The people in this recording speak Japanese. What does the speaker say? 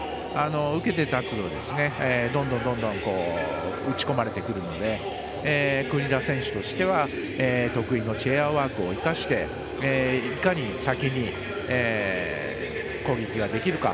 受けて立つとどんどん打ち込まれてくるので国枝選手としては得意のチェアワークを生かしていかに先に攻撃ができるか。